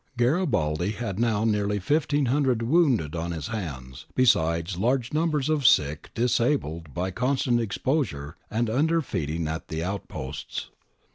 ^ Garibaldi had now nearly 1500 wounded on his hands, besides large numbers of sick, disabled by con stant exposure and under feeding at the outposts.